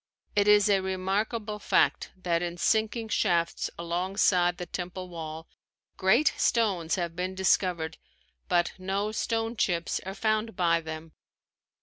It is a remarkable fact that in sinking shafts alongside the temple wall, great stones have been discovered but no stone chips are found by them.